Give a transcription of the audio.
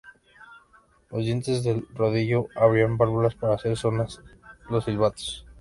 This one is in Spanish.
Los dientes del rodillo abrían válvulas para hacer sonar los silbatos.